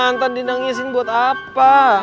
mantan dinangisin buat apa